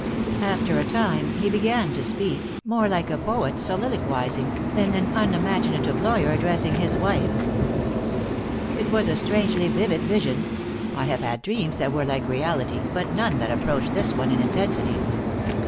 After a time, he began to speak, more like a poet soliloquizing than an unimaginative lawyer addressing his wife. "It was a strangely vivid vision. I have had dreams that were like reality, but none that approached this one in intensity.